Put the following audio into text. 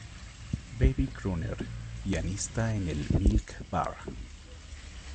Baby Crooner: Pianista en el Milk Bar.